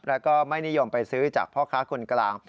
แล้วก็ไม่นิยมไปซื้อจากพ่อค้าคนกลาง